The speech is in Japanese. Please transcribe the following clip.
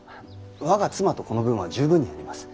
我が妻と子の分は十分にあります。